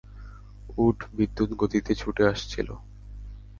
উট বিদ্যুৎ গতিতে ছুটে আসছিল।